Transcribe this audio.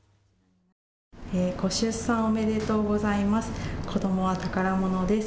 ご出産おめでとうございます。